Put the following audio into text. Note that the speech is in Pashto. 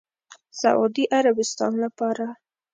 سعودي عربستان لپاره